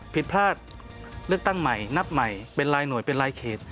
ผิดพลาดเลือกตั้งใหม่นับใหม่เป็นรายหน่วยเป็นรายเขต